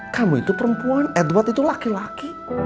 kamu itu perempuan edward itu laki laki